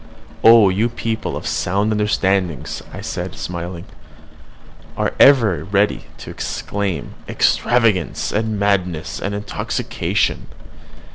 "Oh! you people of sound understandings," I replied, smiling, "are ever ready to exclaim 'Extravagance, and madness, and intoxication!'